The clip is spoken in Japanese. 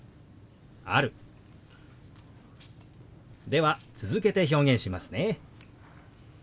では続けて表現しますね。